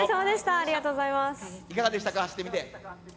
いかがでしたか、走ってみて。